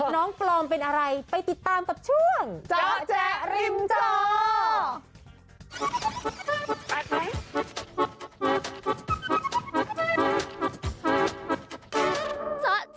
น้องปลอมเป็นอะไรไปติดตามกับช่วงเจาะแจ๊ริมจอ